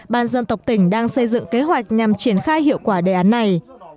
ban dân tộc tỉnh đang xây dựng kế hoạch nhằm triển khai hiệu quả đề án này